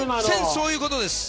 そういうことですよ。